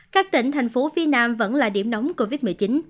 các tỉnh thành phố phía nam vẫn là điểm nóng covid một mươi chín